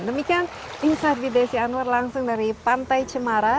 demikian insar videsi anwar langsung dari pantai cemara